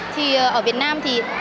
thì ở việt nam thì